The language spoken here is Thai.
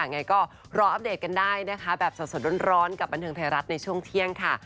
ไงก็รออัปเดตกันได้นะคะแบบสดร้อนกับบันเทิงไทยรัฐในช่วงเที่ยงค่ะ